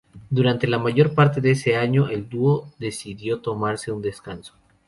Durante la mayor parte de ese año, el dúo decidió tomarse un descanso.